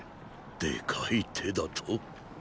でかい手だと？